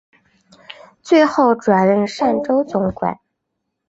最后转任澶州总管。